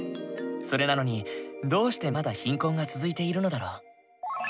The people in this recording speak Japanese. それなのにどうしてまだ貧困が続いているのだろう？